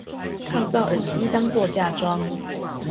抗噪耳機當作嫁妝